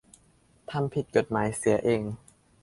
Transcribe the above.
ทำผิดกฎหมายเสียเอง